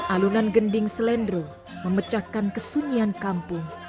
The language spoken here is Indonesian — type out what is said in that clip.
alunan gending selendro memecahkan kesunyian kampung